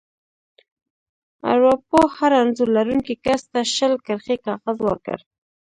ارواپوه هر انځور لرونکي کس ته شل کرښې کاغذ ورکړ.